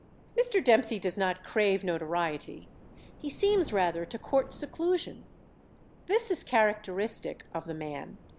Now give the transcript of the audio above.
Mr. Dempsey does not crave notoriety. He seems rather to court seclusion. This is characteristic of the man.